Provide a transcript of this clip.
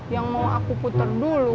yang mau aku putar dulu